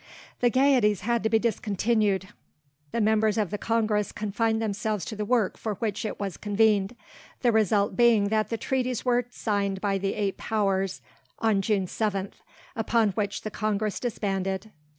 The gayeties had to be discontinued, the members of the Congress confined themselves to the work for which it was convened, the result being that the treaties were signed by the eight powers on June 7, upon which the Congress disbanded.